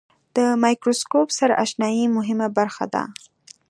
د مایکروسکوپ سره آشنایي مهمه برخه ده.